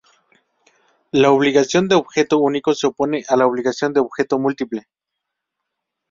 La obligación de objeto único se opone a la obligación de objeto múltiple.